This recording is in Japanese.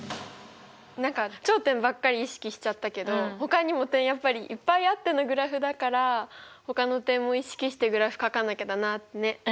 何か頂点ばっかり意識しちゃったけどほかにも点いっぱいあってのグラフだからほかの点も意識してグラフかかなきゃだなってね思った。